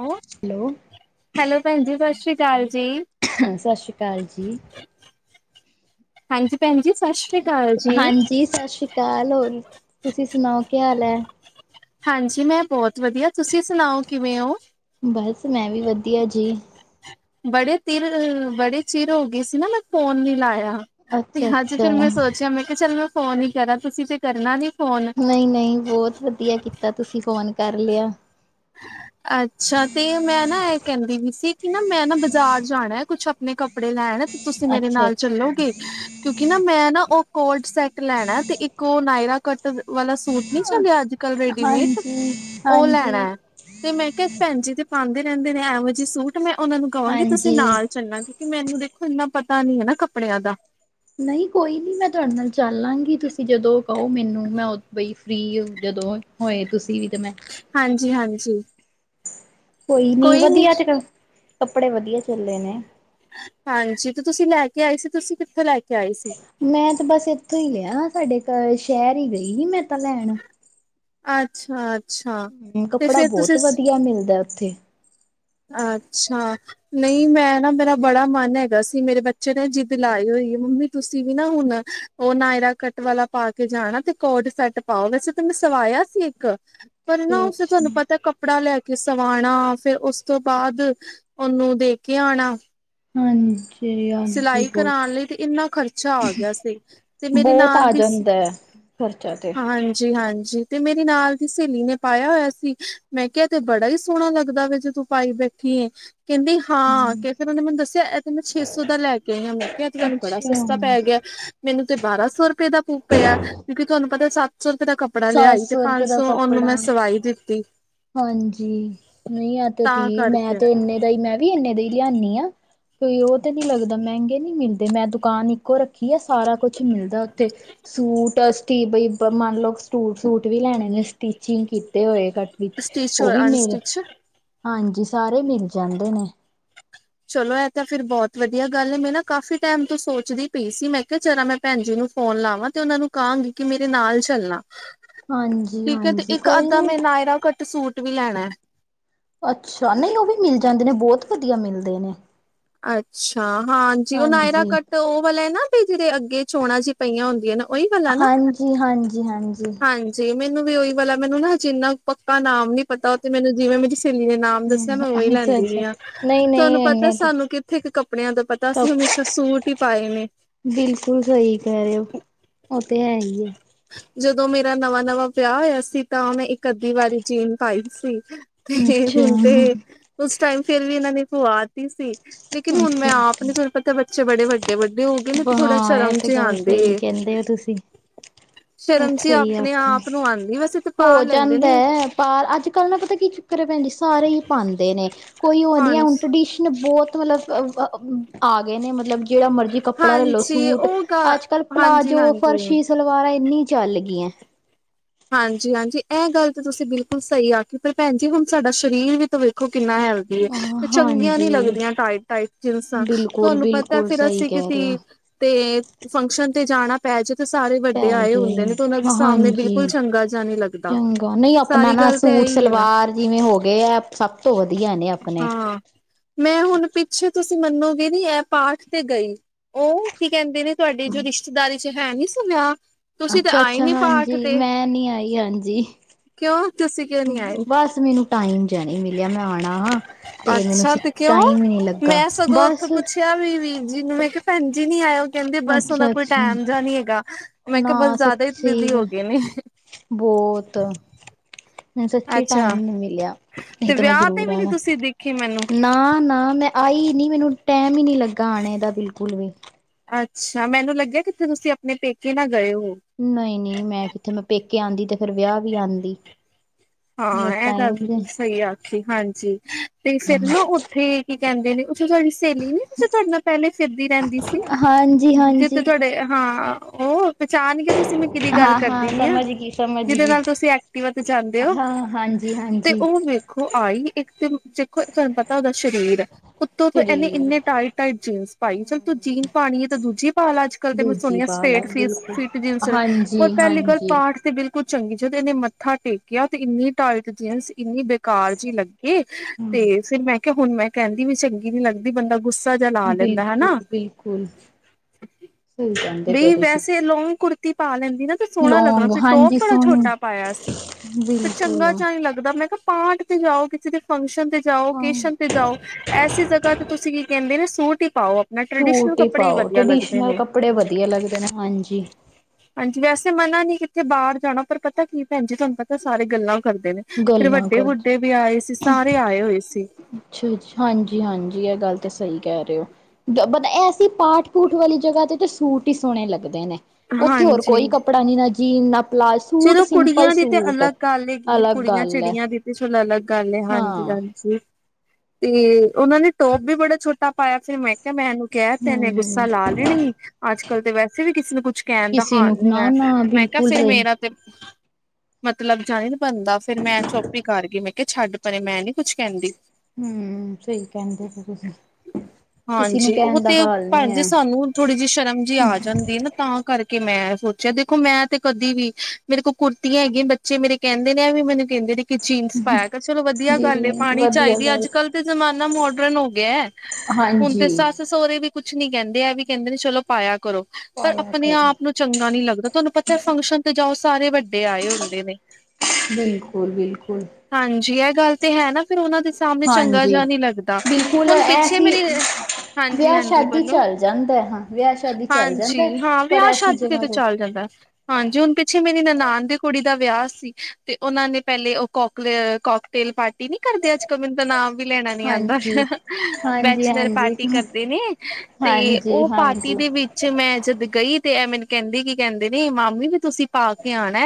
ਹੈਂ। Hello. Hello ਭੈਣ ਜੀ, ਸਤਿ ਸ਼੍ਰੀ ਅਕਾਲ ਜੀ। ਸਤਿ ਸ਼੍ਰੀ ਅਕਾਲ ਜੀ। ਹਾਂਜੀ ਭੈਣ ਜੀ, ਸਤਿ ਸ੍ਰੀ ਅਕਾਲ ਜੀ। ਸਤਿ੍ ਸ਼੍ਰੀ - ਤ ਕਾਲ, ਹੋਰ ਤੁਸੀਂ ਸੁਣਾਓ ਕੀ ਹਾਲ ਹੈ? ਹਾਂਜੀ ਮੈਂ ਬਹੁਤ ਵਧੀਆ, ਤੁਸੀਂ ਸੁਣਾਓ ਕਿਵੇਂ ਹੋ? ਬਸ ਮੈਂ ਵੀ, ਵਧੀਆ ਜੀ। ਬੜੇ ਤਿਰਰ ਬੜੇ ਚਿਰ ਹੋ ਗਏ ਸੀ ਨਾ, ਮੈਂ ਫੋਨ ਨੀ ਲਾਇਆ। ਤੇ ਅੱਛਾ ਅੱਜ ਅੱਛਾ, ਫੇਿਰ ਮੈਂ ਸੋਚਿਆ, ਮੈਂ ਕਿਹਾ ਚੱਲ ਮੈਂ ਫੋਨ ਹੀ ਕਰਾਂ, ਤੁਸੀਂ ਤੇ ਕਰਨਾ ਨੀ। ਫੋਨ। ਨਹੀਂ ਨਹੀਂ, ਬਹੁਤ ਵਧੀਆ ਕੀਤਾ, ਤੁਸੀਂ ਫੋਨ ਕਰ ਲਿਆ। ਅੱਛਾ, ਤੇ ਮੈਂ ਨਾ ਇਹ ਕਹਿੰਦੀ ਵੀ ਸੀ ਕਿ ਨਾ ਮੈਂ ਨਾ ਬਾਜ਼ਾਰ ਜਾਣਾ, ਕੁਛ ਆਪਣੇ ਕੱਪੜੇ ਲੈਣ ਤੁਸੀਂ ਮੇਰੇ ਅੱਛਾ ਨਾਲ ਅੱਛਾ। ਚੱਲੋਗੇ? ਕਿਉਕਿ ਨਾ ਮੈਂ ਨਾ ਉਹ ਕੋਰਡ ਸੈਟ ਲੈਣਾ, ਤੇ ਇੱਕ ਉਹ ਨਾਇਰਾ ਕੱਟ ਵਾਲਾ ਸੁ ਸੂਟ ਨਹੀਂੀ ਚੱਲਿਆ ਅੱਜ ਕੱਲ ਰੈਡੀਮੇਡ, ਹਾਂਜੀ ਉਹ ਹਾਂਜੀ ਲੈਣਾ ਹੈ। ਤੇ ਮੈਂ ਕਿਹਾ ਭੈਣ ਜੀ ਤੇ ਪਾਂਦੇ ਰਹਿੰਦੇ ਨੇ ਐੋ ਜਿਹੀ ਸੂਟ, ਮੈਂ ਉਹਨਾਂ ਨੂੰ ਕਹਾਂਗੀ ਤੁਸੀਂ ਹਾਂਜੀ। ਨਾਲ ਚੱਲਾਂਗੇ। ਕਿ ਮੈਨੂੰ ਦੇਖੋ ਇੰਨਾ ਪਤਾ ਨੀ ਹੈ ਨਾ, ਕੱਪੜਿਆਂ ਦਾ। ਨਹੀਂ ਕੋਈ ਨਹੀਂ, ਮੈਂ ਤੁਹਾਡੇ ਨਾਲ ਚੱਲ ਲਾਂਗੀ, ਤੁਸੀਂ ਜਦੋਂ ਕਹੋ ਮੈਨੂੰ, ਮੈਂ ਉ ਥਈ ਫਰੀ ਜਦੋਂ ਹੋਏ ਤੁਸੀਂ ਵੀ, ਤਾਂ ਮੈਂ ਹਾਂਜੀ ਹਾਂਜੀ। ਕੋਈ ਨੀ ਵਧੀਆ ਤੇ, ਕੱਪੜੇ ਵਧੀਆ ਚੱਲੇ ਨੇ। ਹਾਂਜੀ, ਤੇ ਤੁਸੀਂ ਲੈ ਕੇ ਆਈ ਸੀ, ਤੁਸੀਂ ਕਿੱਥੋਂ ਲੈ ਕੇ ਆਏ ਸੀ? ਮੈਂ ਤੇ ਬਸ ਇੱਥੋਂ ਹੀ ਲਿਆ ਸਾਡੇ ਤਾ, ਸ਼ਹਿਰ ਹੀ ਗਈ ਸੀ ਮੈਂ ਤਾਂ ਲੈਣ। ਅੱਛਾ। ਅੱਛਾ ਹਮ, ਤੇ ਕੱਪੜਾ ਫੇਰ ਬਹੁਤ ਤੁਸੀਂ ਵਧੀਆ ਮਿਲਦਾ ਉੱਥੇ। ਅੱਛਾ। ਨਹੀਂ ਮੈਂ ਨਾ ਮੇਰਾ ਬੜਾ ਮਨ ਹੈਗਾ ਸੀ, ਮੇਰੇ ਬੱਚੇ ਨੇ ਜਿੱਦ ਲਾਈ ਹੋਈ ਮੰਮੀ ਤੁਸੀਂ ਵੀ ਨਾ ਹੁਣ ਉਹ ਨਾਇਰਾ ਕੱਟ ਵਾਲਾ ਪਾ ਕੇ ਜਾਣਾ ਤੇ ਕੋਡ ਸੈੱਟ ਪਾਓ, ਵੈਸੇ ਤਾ ਮੈਂ ਸਵਾਇਆ ਸੀ ਇੱਕ ਪਰ ਨਾ ਉਸੇ ਅੱਛਾ-ਅੱਛਾ ਤੁਹਾਨੂੰ ਪਤਾ ਕੱਪੜਾ ਲੈ ਕੇ ਸਵਾਉਣਾ, ਫਿਰ ਉਸ ਉਸ ਤੋਂ ਬਾਅਦ, ਉਨੂੰ ਦੇ ਕੇ ਆਨਾਂ ਹਾਂਜੀ। ਸਿਲਾਈ ਕਰਾਉਣ ਲਈ ਤੇ ਇੰਨਾ ਖ਼ਰਚਾ ਆ ਗਿਆ ਸੀ, ਤੇ ਮੇਰੇ ਬਹੁਤ ਆ ਨਾਲ ਵੀ ਜਾਂਦਾ ਹੈ ਖਰਚਾ ਤੇ ਹਾਂਜੀ, ਹਾਂਜੀ। ਤੇ ਮੇਰੀ ਨਾਲ ਦੀ ਸਹੇਲੀ ਨੇ ਪਾਇਆ ਹੋਇਆ ਸੀ, ਮੈਂ ਕਿਹਾ ਤੇ ਬੜਾ ਹੀ ਸੋਹਣਾ ਲੱਗਦਾ ਵੇ ਜੇ ਤੂੰ ਪਾਈ ਬੈਠੀ ਹੈਂ। ਕਹਿੰਦੀ ਹਾਂ ਫੇਰ ਤੇ ਓਨੇ ਮੈਨੂੰ ਦੱਸਿਆ, ਇਹ ਤੇ ਮੈਂ ਛੇ ਸੌ ਦਾ ਲੈ ਕੇ ਆਈ ਆਾਂ, ਮੈਂ ਕੇ ਆ ਏ ਤੇ ਤੈਨੂੰ ਬੜਾ ਅੱਛਾ। ਸਸਤਾ ਪੈ ਗੇਆ। ਮੈਨੂੰ ਤੇ ਬਾਰਾਂ ਸੌ ਰੁਪਏ ਦਾ ਪੂ ਪਿਆ, ਕਿਉਂਕਿ ਤੁਹਾਨੂੰ ਪਤਾ ਸੱਤ ਸੌ ਰੁਪਏ ਦਾ ਕੱ ਕੱਪੜਾ, ਸੱਤ ਲਿਆਈ ਤੇ ਰੁਪਏ ਪੰਜ ਦਾ -ਸੌ ਓਹਨੂੰ ਮੈਂ ਕੱਪੜਾ ਸਵਾਈ ਦਿੱਤੀ। ਹਾਂਜੀ, ਨਈ ਆ ਤੇ ਤਾਂ ਠੀਕ, ਮੈਂ ਕਰਕੇ ਤੇ ਇੰਨੇ ਦਾ ਈ, ਮੈਂ ਵੀ ਇੰਨੇ ਦਾ ਲਿਆਣੀ ਆ। ਕੋਈ ਓਹ ਤੇ ਨੀ ਲੱਗਦਾ, ਮੈਂਗੇ ਨੀ ਮਿਲਦੇ, ਮੈਂ ਦੁਕਾਨ ਇੱਕੋ ਰੱਖੀ ਕੀ ਆ, ਸਾਰਾ ਕੁਛ ਮਿਲਦਾ ਓਥੇ ਸੂਟ ਕੀ ਬਈ ਮੰਨ ਲੋ ਸੂਟ -ਸੂਟ ਵੀ ਲੈਣੇ ਨੇ ਸਟਿਚਿੰਗ ਕੀਤੇ ਹੋਏ ਕ ਵਿੱਚ ਸਟਿਚ ਓਹ ਔਰ ਵੀ ਨੇ ਅਨਸਟਿਚ ਹਾਂਜੀ, ਸਾਰੇ ਮਿਲ ਜਾਂਦੇ ਨੇ, ਚਲੋ ਏ ਤਾਂ ਫੇਿਰ ਬੋਤ ਵੱਧੀਆ ਗੱਲ ਏ, ਮੈਂ ਨਾ ਕਾਫ਼ੀ ਟਾਈਮ ਤੋਂ ਸੋਚਦੀ ਪਈ ਸੀ ਮੈਂ, ਕੇ ਚਲਾ ਮੈਂ ਭੈਣ ਜੀ, ਨੂੰ ਫੋਨ ਲਾਵਾਂ, ਤੇ ਓਨਾਂ ਨੂੰ ਕਹਾਂਗੀ ਕਿ ਮੇਰੇ ਨਾਲ ਚੱਲਣਾ, ਠੀਕ ਏ, ਤੇ ਹਾਂਜੀ-ਹਾਂਜੀ ਇੱਕ ਕੋਈ ਅੱਧਾ ਨੀ ਮੈਂ ਨਾਇਰਾ ਕੱਟ ਸੂਟ ਵੀ ਲੈਣਾ, ਅੱਛਾ, ਨਈ, ਓਹ ਵੀ ਮਿਲ ਜਾਂਦੇ ਨੇ, ਬੋਤ ਵੱਧੀਆ ਮਿਲਦੇ ਨੇ। ਅੱਛਾ, ਹਾਂਜੀ, ਓਹ ਨਾਇਰਾ ਹਾਂਜੀ, ਕੱਟ ਉਹ ਵਾਲਾ ਹੈਣਾ ਵੀ ਜਿਹੜੇ ਅੱਗੇ ਚੋਣਾਂ ਜੇਹੀ ਪਈਆਂ ਹੁੰਦੀਆਂ ਨ ਓਹੀ ਵਾਲਾਂ ਹਨਾ, ਹਾਂਜੀ, ਹਾਂਜੀ, ਹਾਂਜੀ। ਜੀ, ਮੈਨੂੰ ਵੀ ਓਹੀ ਵਾਲਾ, ਮੈਨੂੰ ਨਾ ਜੀ ਇੰਨਾ ਪੱਕਾ ਨਾਮ ਨੀ ਪਤਾ, ਓਹ ਤੇ ਮੈਨੂੰ ਜਿਵੇਂ ਮੇਰੀ ਸੇਲੀ ਨੇ ਨਾਮ ਦੱਸਿਆ, ਹੂੰ ਮੈਂ ਓਹੀ ਲੈਂਦੀ ਅੱਛਾ-ਅੱਛਾ ਵਿ ਆ ਤੁਹਾਨੂੰ ਨਹੀਂ-ਨਹੀਂ ਪਤਾ ਇੰਨੇ ਤੇ ਸਾਨੂੰ ਕਿਤੇ ਕੱਪੜਿਆਂ ਦਾ ਪਤਾ ਸੀ, ਹਮੇਸ਼ਾ ਸੂਟ ਈ ਪਾਏ ਨੇ। ਬਿਲਕੁਲ ਸਹੀ ਕੈਹ ਰਹੇ ਹੋ, ਉਹ ਤੇ ਹੈ ਈ ਆ। ਜਦੋਂ ਮੇਰਾ ਨਵਾਂ -ਨਵਾਂ ਵਿਆਹ ਹੋਇਆ ਸੀ, ਤਾਂ ਮੈਂ ਇੱਕ ਅੱਧੀ ਵਾਰੀ ਜੀਨ ਪਾਈ ਸੀ। ਤੇ ਫੇਰ ਹੁਣ ਤੇ, ਅੱਛਾ ਉਸ ਟਾਈਮ ਫਿਰ ਵੀ ਇਨਾ ਨੇ ਪਵਾਤੀ ਸੀ, ਲੇਕਿਨ ਹੁਣ ਅੱਛਾ ਮੈਂ ਆਪ ਨੀ ਪਤਾ ਬ ਬੱਚੇ ਬੜੇ ਵੱਡੇ- ਵੱਡੇ ਹੋ ਗਏ ਨੇ, ਥੋੜੀ ਸ਼ਰਮ ਜੇਈ ਆਂਦੀ ਏ, ਮਿਲਦੇ ਹੋ ਤੁਸੀਂ। ਇਹ ਸ਼ਰਮ ਜੀ ਸਹੀ ਆਪਣੇ- ਆਖਿਆ। ਆਪ ਨੂੰ ਆਦੀ। ਹੋ ਜਾਂਦਾ ਬਾਰ ਅੱਜ -ਕੱਲ੍ਹ ਨਾ ਪਤਾ ਕੀ ਚੱਕਰ ਭੈਣ ਜੀ ਸਾਰੇ ਹੀ ਪਾਂਦੇ ਨੇ। ਕੋਈ ਓਹ ਨੀ ਏ, ਹੁਣ ਹਾਂਜੀ। ਟ੍ਰਡੀਸ਼ਨ ਬਹੁਤ ਮਤਲਬ ਆ ਗਏ ਨੇ, ਮਤਲਬ ਜੇਹੜਾ ਮਰਜ਼ੀ ਕੱਪੜਾ ਲੈਲੋ ਹਾਂਜੀ ਸੂਟ ਉਹ ਗ ਅੱਜ -ਕੱਲ ਪਲਾਜ਼ੋ, ਹਾਂਜੀ-ਹਾਂਜੀ। ਫਰਸ਼ੀ ਸਲਵਾਰਾਂ ਏਨੀ ਚੱਲ ਗਈਆਂ। ਹਾਂਜੀ -ਹਾਂਜੀ ਏ ਗੱਲ ਤਾਂ ਤੁਸੀਂ ਬਿਲਕੁਲ ਸਹੀ ਆਖੀ, ਪਰ ਭੈਣ ਜੀ ਹੁਣ ਸਾਡਾ ਸਰੀਰ ਵੀ ਤਾਂ ਵੇਖੋ ਕਿੰਨਾ ਹੈਲਦੀ, ਤੇ ਫੇਰ ਚੰਗੀਆਂ ਨੀ ਹਾਂਜੀ ਲੱਗਦੀਆਂ ਟਾਈਟ -ਟਾਈਟ ਜਿਨਾ ਬਿਲਕੁਲ ਤੁਹਾਨੂੰ ਪਤਾ ਬਿਲਕੁਲ ਫੇਰ ਸਹੀ ਅਸੀਂ ਕਹਿ ਰਹੇ ਹੋ। ਕਦੀ, ਤੇ ਫੰਕਸ਼ਨ ਤੇ ਜਾਣਾ ਪੈ ਜੇ ਤੇ ਸਾਰੇ ਵੱਡੇ ਆਏ ਹੁੰਦੇ ਨੇ, ਤੇ ਓਹਨਾਂ ਦੇ ਸਾਹਮਣੇ ਬਿਲਕੁਲ ਤੇ ਚੰਗਾ ਜਾ ਨੀ ਲੱਗਦਾ ਚੰਗਾ ਨਈ ਆਪਣਾ ਸਾਰੀ ਨਾ ਗੱਲ ਤਾਂ ਸੂਟ ਇਹੀ ਹੈ ਨਾ ਸਲਵਾਰ ਜਿਵੇਂ ਹੋ ਗਏ ਆ, ਸਭ ਤੋਂ ਵੱਧੀਆ ਨੇ ਅਪਣੇ। ਹਾਂ ਮੈਂ ਹੁਣ ਪਿੱਛੇ ਤੁਸੀਂ ਮੰਨੋਗੇ ਨਹੀਂ ਮੈਂ ਪਾਠ ਤੇ ਗਈ, ਉਹ ਕੀ ਕੈਂਦੇ ਨੇ, ਤੁਹਾਡੀ ਜੋ ਰਿਸ਼ਤੇਦਾਰੀ 'ਚ ਹੈ ਨੀ ਸੀ, ਵਿਆਹ ਤੁਸੀਂ ਤਾਂ ਅੱਛਾ ਆਏ -ਅੱਛਾ ਨੀ ਹਾਂਜੀ ਮੈਂ ਨੀ ਆਈ ਹਾਂਜੀ। ਕਿਓ ਤੁਸੀਂ ਕਿਓ ਨੀ ਆਏ? ਤੇ ਮੈਨੂੰ ਟਾਈਮ ਜਿਆ ਨਈ ਮਿਲਿਆ, ਮੈਂ ਆਉਣਾ ਵਾ, ਅੱਛਾ ਤੇ ਕਿਉਂ ਮੈਂ ਸਗੋਂ ਬਸ ਓਥੋਂ ਪੁੱਛਿਆ ਵੀ ਵੀਰ ਜੀ ਨੂੰ ਮੈਂ ਕਿਹਾ ਭੈਣ ਜੀ ਨੀ ਆਏ ਕੈਂਦੇ ਬੱਸ ਅੱਛਾ ਓਨਾਂ ਕੋਲ ਅੱਛਾ ਟਾਈਮ ਜੇਆ ਨਹੀਂ ਹੈਗਾ, ਮੈਂ ਕਿਹਾ ਬਸ ਜ਼ਾਦਾ ਈ ਬਿਜ਼ੀ ਹੋ ਗਏ ਨੇ। ਬੋਤ ਮੈਨੂੰ ਸੱਚੀ ਅੱਛਾ। ਟਾਈਮ ਨਹੀਂ ਮਿਲਿਆ, ਤੇ ਨਹੀਂ ਤਾਂ ਮੈਂ ਵਿਆਹ ਤੇ ਜ਼ਰੂਰ ਵੀ ਨੀ ਆਣਾ ਤੁਸੀਂ ਦੇਖੇ ਮੈਨੂੰ ਨਾ- ਨਾ ਮੈਂ। ਆਈ ਨਈ, ਮੈਨੂੰ ਟਾਈਮ ਈ ਨਈ ਲੱਗਾ ਆਣੇ ਦਾ ਬਿਲਕੁਲ ਵੀ, ਅੱਛਾ, ਮੈਨੂੰ ਲੱਗੇਆ ਕਿੱਤੇ ਤੁਸੀਂ ਆਪਣੇ ਪੇਕੇ ਨਾ ਗਏ ਹੋ। ਨਹੀਂ -ਨਹੀਂ ਮੈਂ ਕਿੱਥੇ ਮੈਂ ਪੇਕੇ ਆਂਦੀ ਤੇ ਫੇਰ ਵਿਆਹ ਵੀ ਆਂਦੀ। ਹਾਂ ਏ ਗੱਲ ਤਾਂ ਤੁਸੀਂ ਸਹੀ ਆਖੀ ਹਾਂਜੀ, ਤੇ ਫੇਰ ਨਾ ਉੱਥੇ ਕੀ ਕੈਂਦੇ ਨੇ ਜੋ ਤੁਹਾਡੀ ਸਹੇਲੀ ਨੀ ਸੀ ਜੋ ਤੁਹਾਡੇ ਨਾਲ ਪਹਿਲੇ ਫਿਰਦੀ ਰਹਿੰਦੀ ਸੀ ਹਾਂਜੀ ਹਾਂਜੀ ਜਿੱਥੇ ਤੁਹਾਡੇ ਹਾਂ। ਉਹ। ਪਹਿਚਾਣ ਗਏ ਤੁਸੀਂ ਮੈਂ ਕਿਹਦੀ ਗੱਲ ਹਾਂ ਹਾਂ ਕਰਦੀ ਆ ਸਮਝ ਗਈ ਸਮਝ ਜਿਹਦੇ ਨਾਲ ਤੁਸੀਂ ਐਕਟਿਵਾ ਤੇ ਜਾਂਦੇ ਹੋ। ਉਹ ਹਾਂਜੀ ਹਾਂ। ਤੇ ਉਹ ਵੇਖੋ ਆਈ ਇੱਕ ਤੇ ਦੇਖੋ ਤੁਹਾਨੂੰ ਪਤਾ ਉਹਦਾ ਸਰੀਰ। ਉੱਤੋਂ ਫੇਰ ਇਹਨੇ ਸ਼ਰੀਰ ਇਨੇ ਟਾਈਟ ਟਾਈਟ ਜੀਨਸ ਪਾਈ ਚੱਲ ਤੂੰ ਜੀਨਸ ਪਾਉਣੀ ਹੈ ਤਾਂ ਦੂਜੀ ਪਾ ਲਾ ਅੱਜ ਅੱਜ ਕੱਲ ਤੇ ਮੈਂ ਦੂਜੀ ਸੁਣਿਆ ਵਾਲ ਆ ਸਟੇਟ ਬਿਲਕੁਲ ਫਿਟ ਜੀਨਸ ਹਾਂਜੀ ਔਰ ਪਹਿਲੀ ਗੱਲ ਹਾਂਜੀ ਪਾਠ ਤੇ ਗਈ। ਕੁਝ ਚੰਗੀ ਜਦ ਇਹਨੇ ਮੱਥਾ ਟੇਕਿਆ ਤੇ ਇੰਨੀ ਟਾਈਟ ਜੀਨਸ ਇੰਨੀ ਬੇਕਾਰ ਜਿਹੀ ਲ ਲੱਗੇ ਤੇ ਫਿਰ ਮੈਂ ਕਿਹਾ ਹੁਣ ਮੈਂ ਕਹਿੰਦੀ ਵੀ ਚੰਗੀ ਨੀ ਲੱਗਦੀ ਬੰਦਾ ਗੁ ਜਾ ਲਾ ਲੈਂਦਾ ਹਨਾ ਬਿਲਕੁਲ ਬਿਲਕੁਲ ਸਹੀ ਕਹਿੰਦੇ ਪਏ ਵੀ ਤੁਸੀਂ ਵੈਸੇ ਲੋਂਗ ਕੁਰ ਕੁੜਤੀ ਪਾ ਲੈਂਦੀ ਨਾ ਫੇਰ ਸੋਹਣਾ ਲੱਗਣਾ ਲੌਂਗ ਸੀ ਟੋਪ ਹਾਂਜੀ ਬੜਾ ਸੋਹਣੀ ਛੋਟਾ ਪਾਇਆ ਸੀ। ਫਿਰ ਬਿਲਕੁਲ ਚੰਗਾ ਜਿਹਾ ਨਹੀਂ ਲੱਗਦਾ ਮੈਂ ਕਿਹਾ ਪਾਠ ਤੇ ਜਾਓ ਕਿਸੇ ਦੇ ਫੰਕਸ਼ਨ। ਤੇ ਜਾਓ, ਹਾਂ ਉਕੇਸ਼ਨ ਤੇ ਜਾਓ, ਐਸੀ ਜਗ੍ਹਾ ਤੇ ਤੁਸੀਂ ਕੀ ਕਹਿੰਦੇ ਨੇ ਸੂਟ ਹੀ ਪਾਓ। ਆਪਣਾ ਟ੍ਰਡੀਸ਼ਨਲ ਸੂਟ ਹੀ ਕੱਪੜੇ ਪਾਓ ਵਧੀਆ ਲੱਗਦੇ ਟ੍ਰਡੀਸ਼ਨਲ ਨੇ ਕੱਪੜੇ ਵਧੀਆ ਲੱਗਦੇ ਨੇ ਹਾਂਜੀ। ਹਾਂਜੀ ਵੈਸੇ ਮਨਾ ਨੀ ਕਿੱਤੇ ਬਾਹਰ ਜਾਣਾ ਪਰ ਪਤਾ ਕੀ ਭੈਣ ਜੀ ਤੁਹਾਨੂੰ ਪਤਾ ਸਾਰੇ ਗੱਲਾਂ ਕਰਦੇ ਨੇ। ਫਿਰ ਗੱਲਾਂ ਵੱਡੇ ਕਰ ਬੁੱਡੇ ਵੀ ਆਏ ਸੀ, ਸਾਰੇ ਆਏ ਹੋਏ ਸੀ। ਅੱਛਾ ਹਾਂਜੀ ਹਾਂਜੀ ਇਹ ਗੱਲ ਤਾਂ ਸਹੀ ਕਹਿ ਰਹੇ ਹੋ। ਪਤਾ ਐਸੀ ਪਾਠ ਪੂਠ ਵਾਲੀ ਜਗ੍ਹਾ ਤੇ ਤਾਂ ਸੂਟ ਹੀ ਸੋਹਣੇ ਲੱਗਦੇ ਨੇ। ਉੱਥੇ ਹੋਰ ਹਾਂਜੀ ਕੋਈ ਕੱਪੜਾ ਨੀ ਨਾ ਜੀਨ, ਨਾ ਪਲਾਜੋ, ਸੂਟ ਚਲੋ ਸਿੰਪਲ ਕੁੜੀਆਂ ਦੀ ਤੇ ਸੂਟ। ਅਲੱਗ ਗੱਲ ਹੈ। ਵੀ ਚਲੋ ਅਲੱਗ ਗੱਲ ਏ ਹਾਂਜੀ ਹਾਂ ਹਾਂਜੀ। ਤੇ ਉਹਨਾਂ ਨੇ ਟੋਪ ਵੀ ਬੜਾ ਛੋਟਾ ਪਾਇਆ ਸੀ ਮੈ ਮੈਂ ਕਿਹਾ ਮੈਂ ਇਹਨੂੰ ਕਹਿ ਦਿੱਤਾ ਤੇ ਇੰਨੇ ਗੁੱਸਾ ਹਮ ਲਾ ਲੈਣਾ। ਅੱਜ ਕੱਲ ਤੇ ਵੈਸੇ ਵੀ ਕਿਸੇ ਨੂੰ ਕੁਝ ਕਹਿਣ ਦਾ ਕਿਸੇ ਨੂੰ ਹਾਲ ਨਹੀਂ ਨਾ ਹੈ ਨਾ ਮੈਂ ਕਿਹਾ ਬਿਲਕੁਲ ਫੇਰ ਸਹੀ ਮੇਰਾ। ਤੇ ਮਤਲਬ ਜਾਈਜ਼ ਬਣਦਾ ਫੇਰ ਮੈਂ ਚੁੱਪ ਈ ਕਰ ਗਈ ਮੈਂ ਕਿਹਾ ਛੱਡ। ਪਰੇ ਮੈਂ ਨੀ ਕੁੱਛ ਕਹਿੰਦੀ। ਹੂੰ ਸਹੀ ਕਹਿੰਦੇ ਪਏ ਤੁਸੀਂ। ਕਿਸੇ ਨੂੰ ਹਾਂਜੀ ਉਹ ਕਹਿਣ ਦਾ ਤੇ ਹਾਲ ਭੈਣ ਨੀ ਜੀ ਹੈ ਸਾਨੂੰ ਥੋੜ੍ਹੀ ਜਿਹੀ ਸ਼ਰਮ ਜਿਹੀ ਆ ਜਾਂਦੀ ਨਾ ਤਾਂ ਕਰਕੇ ਮੈਂ ਸੋਚਿਆ ਦੇਖੋ ਮੈਂ ਤੇ ਕਦੀ ਵੀ ਮੇਰੇ ਕੋਲ ਕੁੜਤੀਆਂ ਹੈਗੀਆਂ ਬੱਚੇ ਮੇਰੇ ਕਹਿੰਦੇ ਨੇ ਇਹ ਵੀ ਮੈਨੂੰ ਕਹਿੰਦੇ ਨੇ ਕਿ ਚੀਨਸ ਪਾਇਆ ਕਰ ਚਲੋ ਵਧੀਆ ਜੀ ਗੱਲ ਏ ਪਾਨੀ ਵਧੀਆ ਚਾਈਦੀ ਗੱਲ ਅੱਜ ਕੱਲ ਤੇ ਜ਼ਮਾਨਾ ਮੋਡਰਨ ਹੋ ਗਿਆ ਹੈ। ਹੁਣ ਹਾਂਜੀ ਤੇ ਸੱਸ ਸਹੁਰੇ ਵੀ ਕੁਛ ਨੀ ਕਹਿੰਦੇ ਆ ਵੀ ਕਹਿੰਦੇ ਨੇ ਚਲੋ ਪਾਇਆ ਕਰੋ ਪਰ ਪਾਇਆ ਆਪਣੇ ਕਰੋ ਆਪ ਨੂੰ ਚੰਗਾ ਨੀ ਲੱਗਦਾ ਤੁਹਾਨੂੰ ਪਤਾ ਫੰਕਸ਼ਨ ਤੇ ਜਾਓ ਸਾਰੇ ਵੱਡੇ ਆਏ ਹੁੰਦੇ ਨੇ। ਬਿਲਕੁਲ ਬਿਲਕੁਲ ਹਾਂਜੀ ਇਹ ਗੱਲ ਤੇ ਹੈ ਨਾ ਫਿਰ ਉਹਨਾਂ ਦੇ ਸਾਹਮਣੇ ਚੰਗਾ ਹਾਂਜੀ ਜਿਹਾ ਨਹੀਂ ਲੱਗਦਾ ਬਿਲਕੁਲ ਹੁਣ ਪਿੱਛੇ ਐਸੀ ਮੇਰੀ ਹਾਂਜੀ ਵਿਆਹ ਹਾਂਜੀ ਸ਼ਾਦੀ ਬੋਲੋ ਚੱਲ ਜਾਂਦਾ ਹਾਂ ਵਿਆਹ ਸ਼ਾਦੀ ਚੱਲ ਹਾਂਜੀ ਜਾਂਦਾ ਹਾਂ ਪਰ ਵਿਆਹ ਐਸੀ ਸ਼ਾਦੀ ਤੇ ਜਗ੍ਹਾ ਤਾਂ ਚੱਲ ਜਾਂਦਾ ਹਾਂਜੀ ਹੁਣ ਪਿੱਛੇ ਮੇਰੀ ਨਨਾਨ ਦੀ ਕੁੜੀ ਦਾ ਵਿਆਹ ਸੀ ਤੇ ਉਹਨਾਂ ਨੇ ਪਹਿਲੇ ਉਹ ਕੋਕਲੇ ਕੋਕ ਟੇਲ ਪਾਰਟੀ ਨੀ ਕਰਦੇ ਅੱਜ ਕੱਲ ਮੈਨੂੰ ਤਾਂ ਨਾਮ ਵੀ ਲੈਣਾ ਨੀ ਆਉਂਦਾ ਪਿਆ ਹਾਂਜੀ ਹਾਂਜੀ ਬੈਚਲਰ ਹਾਂਜੀ ਪਾਰਟੀ ਕਰਦੇ ਨੇ ਤੇ ਹਾਂਜੀ ਉਹ ਪਾਰਟੀ ਹਾਂਜੀ ਦੇ ਵਿੱਚ ਦੇ ਵਿੱਚ ਮੈਂ ਜਦ ਗਈ ਤੇ ਇਹ ਮੈਨੂੰ ਕਹਿੰਦੀ ਕੀ ਕਹਿੰਦੇ ਨੇ ਮਾਮੀ ਵੀ ਤੁਸੀਂ ਪਾ ਕੇ ਆਉਣਾ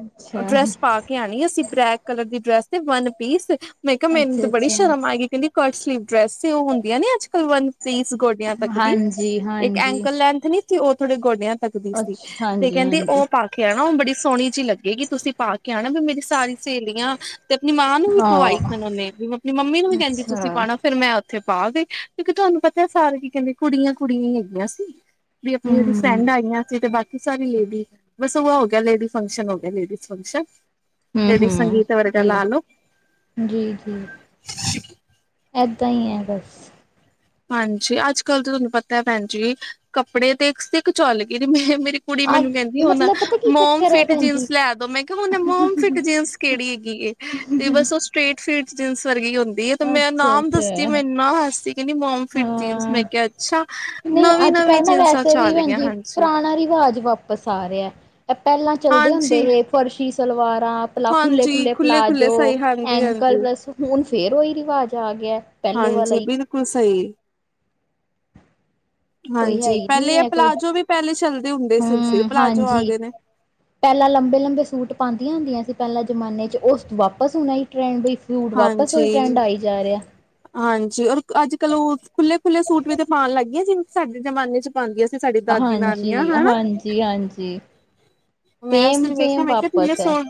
ਅੱਛਾ ਡਰੈੱਸ ਪਾ ਕੇ ਕੇ ਆਣੀ ਅਸੀਂ ਬਲੈਕ ਕਲਰ ਦੀ ਡਰੈਸ ਤੇ ਵੰਨ ਪੀਸ ਮੈਂ ਕਿਹਾ ਮੈਨੂੰ ਤੇ ਅੱਛਾ ਬੜੀ ਸ਼ਰਮ ਆਏਗੀ ਕਹਿੰਦੀ ਕੱਟ ਸਲੀਵ ਡਰੈਸ ਸੀ ਉਹ ਹੁੰਦੀਆਂ ਨੇ ਅੱਜ ਕੱਲ੍ਹ ਵਨ ਪੀਸ ਗੋਡ ਗੋਡਿਆਂ ਤੱਕ ਅੱਛਾ ਦੀ ਹਾਂਜੀ ਇੱਕ ਹਾਂਜੀ ਐਂਕਲ ਲੈਂਥ ਨੀ ਸੀ ਉਹ ਥੋੜੇ ਗੋਡਿਆਂ ਤੱਕ ਦੀ ਸੀ ਅੱਛਾ ਤੇ ਹਾਂਜੀ ਕਹਿੰਦੀ ਹਾਂਜੀ ਉਹ ਪਾ ਕੇ ਆਨਾ ਓ ਬੜੀ ਸੋਨੀ ਜੀ ਲੱਗੇਗੀ ਤੁਸੀਂ ਪਾ ਕੇ ਆਨਾ ਵੀ ਮੇਰੀ ਸਾਰੀ ਸੇਲੀਆਂ ਤੇ ਆਪਨੀ ਮਾਂ ਨੂੰ ਵੀ ਹਾਂ ਪਵਾਈ ਸਨ ਓਨੇ ਵੀ ਆਪਨੀ ਮੰਮੀ ਨੂੰ ਵੀ ਕੈਂਦੀ ਅੱਛਾ ਤੁਸੀਂ ਪਾਨਾ ਫਿਰ ਮੈਂ ਓਥੇ ਪਾ ਗੇ ਕਿਓਂਕਿ ਤੁਆਨੂੰ ਪਤਾ ਸਾਰੇ ਕੀ ਕੈਂਦੇ ਕੁੜੀਆਂ-ਕੁੜੀਆਂ ਈ ਹੈਗੀਆਂ ਸੀ। ਵੀ ਆਪਨੀ ਹਮ ਓਦੀ ਫਰੈਂਡ ਆਈਆਂ ਸੀ ਤੇ ਬਾਕੀ ਸਾਰੀ ਲੇਡੀ ਬਸ ਓਹ ਹੋ ਗੇਆ ਲੇਡੀ ਫੰਕਸ਼ਨ ਹੋ ਗੇਆ ਲੇਡੀਜ਼ ਫੰਕਸ਼ਨ। ਲੇਡੀਜ਼ ਹੂੰ-ਹੂੰ, ਸੰਗੀਤ ਵਰਗਾ ਲਾ ਲੋ ਜੀ-ਜੀ-ਜੀ ਐਦਾਂ ਈ ਐ ਬਸ। ਹਾਂਜੀ ਅੱਜ-ਕੱਲ ਤਾਂ ਤਾਨੂੰ ਪਤੈ ਭੈਨ ਜੀ ਕੱਪੜੇ ਤੇ ਸਿੱਖ ਚੁਅੱਲ ਗਏ ਮੈਂ ਮੇਰੀ ਕੁੜੀ ਅੱਜ ਮੈਨੂੰ ਕੈਂਦੀ ਹੁਨ ਮਤਲਬ ਪਤਾ ਕੀ ਮੋਮ ਚੱਕਰ ਹੈ ਫਿਟ ਭੈਣ ਜੀ ਜੀਨਸ ਲੈ ਦੋ ਮੈਂ ਕਿਆ ਹੁਨ ਮੋਮ ਫਿਟ ਜੀਨਸ ਕੇੜੀ ਹੈਗੀ ਏ। ਤੇ ਬਸ ਓ ਸਟ੍ਰੇਟ ਫਿਟ ਜੀਨਸ ਵਰਗੀ ਹੁੰਦੀ ਏ ਤੇ ਮੈਂ ਅੱਛਾ ਨਾਮ ਦੱਸਦੀ ਅੱਛਾ ਮੈ ਏਨਾ ਹੱਸੀ- ਕੈਂਦੀ ਮੋਮ ਫਿਟ ਜੀਨਸ ਮੈਂ ਕਿਆ ਅੱਛਾ ਨਈਂ ਨਵੀਂ ਅੱਜ ਨਵੀਂ ਕੱਲ ਨਾ ਜੀਨਸਾਂ ਵੈਸੇ ਵੀ ਚੱਲ ਗਈਆਂ ਹਾਂਜੀ ਪੁਰਾ ਨਾ ਰਿਵਾਜ ਵਾਪਸ ਆ ਰਿਆ, ਐਹ ਪੈਲਾਂ ਚੱਲਦੇ ਹੁੰਦੇ ਹਾਂਜੀ ਸੀ ਫਰਸ਼ੀ ਸਲਵਾਰਾਂ ਪੈਲਾ ਹਾਂਜੀ ਖੁੱਲੇ-ਖੁੱਲੇ ਖੁੱਲੇ ਖੁੱਲੇ ਪਲਾਜ਼ੋ ਸਹੀ ਹਾਂਜੀ ਐਂਕਲ ਹਾਂਜੀ ਬਲੱਸ ਹੁਨ ਫੇਰ ਓਈ ਰਿਵਾਜ ਆ ਗੇਆ ਪੈਲੇ ਵਾਲਾ ਈ। ਹੁਨ ਸਈ ਏ। ਕੋਈ ਹੈ ਹਾਂਜੀ ਹੀ ਨਹੀਂ ਪੈਲੇ ਆ ਹੈ ਕੋਈ ਪਲਾਜੋ ਵੀ ਪੈਲੇ ਚੱਲਦੇ ਹੁੰਦੇ ਸਿਲਸੀਰ ਪਲਾਜ਼ੋ ਆ ਗਏ ਨੇ। ਪੈਲਾਂ ਲੰਬੇ-ਲੰਬੇ ਸੂਟ ਪਾਂਦੀਆਂ ਹੁੰਦੀਆਂ ਸੀ ਪੈਲਾਂ ਜਮਾਨੇ ਚ ਓਸ ਵਾਪਸ ਹੋਨਾ ਈ ਟ੍ਰੈਂਡ ਵੀ। ਸੂਟ ਵਾਪਸ ਓਈ ਹਾਂਜੀ ਟਰੈਂਡ ਆਈ ਜਾ ਰਿਐ। ਹਾਂਜੀ ਔਰ ਅੱਜ-ਕੱਲ ਓ ਖੁੱਲੇ-ਖੁੱਲੇ ਸੂਟ ਵੀ ਤਾਂ ਪਾਨ ਲਾਗੀਆਂ ਸੀ ਸਾਡੇ ਜ਼ਮਾਨੇ ਚ। ਪਾਂਦੀਆਂ ਸੀ ਸਾਡੀ ਦਾਦੀ ਨਾਨੀਆਂ ਹਾਂਜੀ ਹਨਾ। ਹਾਂਜੀ ਹਾਂਜੀ ਮੈਂ ਸੇਮ ਉਸਨੂੰ ਵੇਖੇਆ ਸੇਮ ਮੈਂ ਕਿਆ ਤਿੰਨੇ ਵਾਪਸ ਹੈ ਸੌ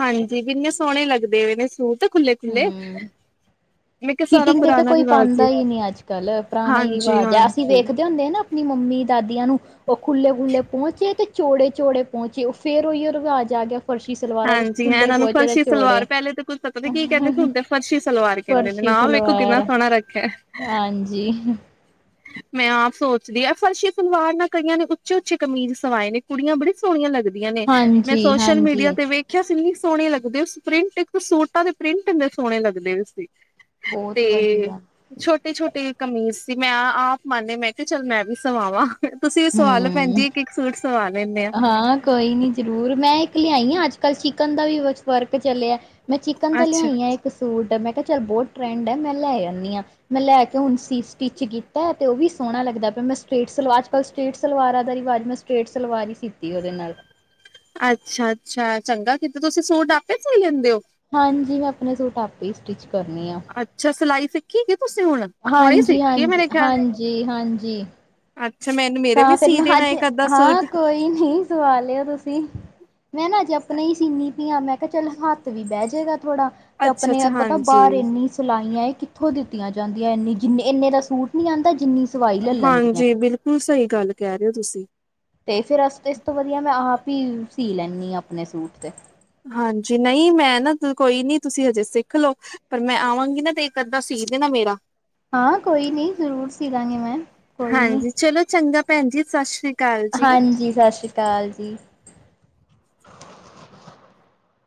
ਹਾਂਜੀ ਵੀ ਇੰਨੇ ਸੋਨੇ ਲੱਗਦੇ ਵੇ ਨੇ ਸੂਟ ਖੁੱਲੇ-ਖੁੱਲੇ ਹੂੰ ਫਿਟਿੰਗ ਤੇ ਤਾਂ ਕੋਈ ਰਿਵਾਜ ਪਾਂਦਾ ਜੀ ਈ ਨਈ ਅੱਜ-ਕੱਲ ਪੁਰਾਨਾ ਈ ਹਾਂਜੀ ਰਿਵਾਜ ਐ ਅਸੀਂ ਹਾਂਜੀ ਵੇਖਦੇ ਹੁੰਦੇ ਆਂ ਨਾ- ਆਪਨੀ ਮੰਮੀ ਦਾਦੀਆਂ ਨੂੰ। ਓ ਖੁੱਲੇ-ਖੁੱਲੇ ਪੋਂਚੇ ਤੇ ਚੋੜੇ-ਚੋੜੇ ਪੋਂਚੇ ਓ ਫੇਰ ਓਈਓ ਰਵਾਜ ਆ ਗੇਆ। ਫਰਸ਼ੀ ਸਲਵਾਰਾਂ ਦੇ ਹਾਂਜੀ ਹਾਂ ਖੁੱਲੇ ਇਹਨਾਂ ਨੂੰ ਪੋਂਚੇ ਨੇ ਫਰਸ਼ੀ ਚੌੜੇ, ਸਲਵਾਰ ਪਹਿਲੇ ਤਾਂ ਕੁੱਝ ਪਤਾ ਨੀ ਕੀ ਕਹਿੰਦੇ ਸੀ ਹੁਣ ਤੇ ਫਰਸ਼ੀ ਸਲਵਾਰ ਕਹਿੰਦੇ ਨੇ ਫਰਸ਼ੀ ਨਾ ਵੇਖੋ ਕਿੰਨਾ ਸਲਵਾਰ, ਸੋਹਣਾ ਰੱਖਿਆ ਹਾਂਜੀ। ਮੈਂ ਆਪ ਸੋਚਦੀ ਆ ਫਰਸ਼ੀ ਸਲਵਾਰ ਨਾਲ ਕਈਆਂ ਨੇ ਉੱਚੇ-ਉੱਚੇ ਕਮੀਜ਼ ਸਵਾਏ ਨੇ। ਕੁੜੀਆਂ ਬੜੀ ਸੋਨੀਆਂ ਲੱਗਦੀਆਂ ਨੇ, ਮੈਂ ਹਾਂਜੀ ਸੋਸ਼ਲ ਮੀਡੀਆ ਹਾਂਜੀ ਤੇ ਵੇਖ ਵੇਖੇਆ ਸੀ ਇੰਨੀ ਸੋਨੇ ਲੱਗਦੇ ਉਸ ਪ੍ਰਿੰਟ ਇੱਕ ਤਾਂ ਸੂਟਾਂ ਦੇ ਪ੍ਰਿੰਟ ਇੰਨੇ ਸੋਨੇ ਲੱਗਦੇ ਵੇ ਸੀ। ਤੇ ਬਹੁਤ ਵਧੀਆ ਛੋਟੇ-ਛੋਟੇ ਕਮੀਜ਼ ਸੀ। ਮੈਂ ਆਪ ਮੰਨ ਲੇਆ ਮੈਂ ਕਿਆ ਚੱਲ ਮੈਂ ਵੀ ਸਵਾਵਾਂ ਤੁਸੀਂ ਵੀ ਸਵਾਲੋ ਭੈਨਜੀ ਹਮ ਇੱਕ-ਇੱਕ ਸੂਟ ਸਵਾ ਲੈਨੇ ਆ। ਹਾਂ ਕੋਈ ਨੀ ਜ਼ਰੂਰ ਮੈਂ ਇੱਕ ਲਿਆਈ ਆ ਅੱਜ-ਕੱਲ ਚਿਕਨ ਦਾ ਵੀ ਵਰਕ ਚੱਲੇਆ। ਮੈਂ ਚਿਕਨ ਦਾ ਅੱਛਾ ਲਿਆਈ ਆਂ ਇੱਕ ਸੂਟ ਮੈਂ ਕਿਆ ਚੱਲ ਬੋਤ ਟਰੈਂਡ ਐ ਮੈਂ ਲੈ ਆਨੀ ਆਂ। ਮੈਂ ਲੈ ਕੇ ਹੁਨ ਸੀ ਸਟਿਚ ਕੀਤਾ ਤੇ ਓ ਵੀ ਸੋਨਾ ਲੱਗਦਾ ਪੇਆ ਮੈਂ ਸਟਰੇਟ ਸਲਵਾਰ ਅੱਜ-ਕੱਲ੍ਹ ਸਟੇਟ ਸਲਵਾਰਾਂ ਦਾ ਰਿਵਾਜ਼ ਮੈਂ ਸਟਰੇਟ ਸਲਵਾਰ ਈ ਸੀਤੀ ਐ ਓਦੇ ਨਾਲ। ਅੱਛਾ-ਅੱਛਾ ਚੰਗਾ ਕੀਤਾ ਤੁਸੀਂ ਸੂਟ ਆਪੇ ਸੀਅ ਲੀਂਦੇ ਓ। ਹਾਂਜੀ ਮੈਂ ਆਪਨੇ ਸੂਟ ਆਪੇ ਈ ਸਟਿਚ ਕਰਨੀ ਆਂ। ਅੱਛਾ ਸਲਾਈ ਸਿੱਖੀਗੀ ਤੁਸੀਂ ਹੁਨ ਹਾਂਜੀ-ਹਾਂਜੀ, ਹਾਂਜੀ-ਹਾਂਜੀ। ਅੱਛਾ ਮੈਨੂੰ ਵੀ ਮੇਰੇ ਤਾਂ ਫੇਰ ਸੀ ਮੈਂ ਦੇਣਾ ਅੱਜ ਇੱਕ ਅੱਧਾ ਸੂਟ ਹਾਂ ਕੋਈ ਨੀ ਸਵਾ ਲਿਓ ਤੁਸੀਂ। ਮੈਂ ਨਾ ਅਜੇ ਆਪਨੇ ਈ ਸੀਨੀ ਪਈ ਆਂ ਮੈਂ ਕਿਆ ਚੱਲ ਹੱਥ ਵੀ ਬੈ ਜੇਗਾ ਥੋੜਾ। 'ਤੇ ਆਪਣੇ ਅੱਛਾ-ਅੱਛਾ ਪਤਾ ਹਾਂਜੀ, ਬਾਹਰ ਏਨੀ ਸਲਾਈਆਂ ਇਹ ਕੀ ਕਿਥੋਂ ਦਿੱਤੀਆਂ ਜਾਂਦੀਆਂ ਇੰਨੀ ਜਿੰਨੇ ਏਨੇ ਦਾ ਸੂਟ ਨੀ ਆਂਦਾ ਜਿੰਨੀ ਸਵਾਈ ਲੈ ਲੈਂਦੀਆਂ ਹਾਂਜੀ ਬਿਲਕੁੱਲ ਸਈ ਗੱਲ ਕਹਿ ਰੇ ਓ ਤੁਸੀਂ। 'ਤੇ ਫਿਰ ਅਸ ਇਸ ਤੋਂ ਵਧੀਆ ਮੈਂ ਆਪ ਈ ਸੀ ਲੈਂਨੀ ਆ ਆਪਣੇ ਸੂਟ 'ਤੇ। ਹਾਂਜੀ ਨਈ ਮੈਂ ਨਾ ਤੇ ਕੋਈ ਨੀ ਤੁਸੀਂ ਹਜੇ ਸਿੱਖ ਲੋ। ਪਰ ਮੈਂ ਆਵਾਂਗੀ ਨਾ 'ਤੇ ਇੱਕ ਅੱਧਾ ਸੀ ਦੇ ਨਾ ਮੇਰਾ। ਹਾਂ ਕੋਈ ਨੀ ਜ਼ਰੂਰ ਸੀ ਦਾਂਗ਼ੀ ਮੈਂ ਕੋਈ ਨੀ। ਹਾਂਜੀ ਚਲੋ ਚੰਗਾ ਭੈਣ ਜੀ ਸਤਿ ਸ਼੍ਰੀ ਹਾਂਜੀ ਸਤਿ ਸ਼੍ਰੀ ਅਕਾਲ ਜੀ।